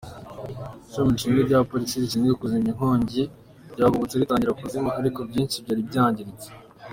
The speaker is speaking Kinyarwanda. Ishami rishinzwe rya Polisi rishinzwe kuzimya inkongi ryahagobotse ritangira kuzimya, ariko byinshi byari byangiritse.